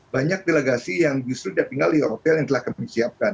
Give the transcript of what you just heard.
banyak delegasi yang justru sudah tinggal di hotel yang telah kami siapkan